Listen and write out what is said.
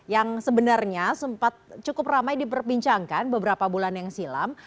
yang sebenarnya sempat cukup ramai diperbincangkan beberapa bulan yang silam